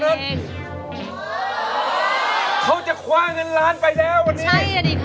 ด้านล่างเขาก็มีความรักให้กันนั่งหน้าตาชื่นบานมากเลยนะคะ